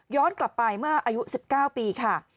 กลับไปเมื่ออายุ๑๙ปีค่ะ